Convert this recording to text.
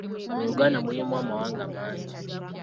Mu Uganda mulimu amawanga mangi.